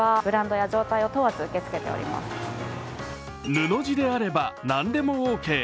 布地であれば何でもオーケー。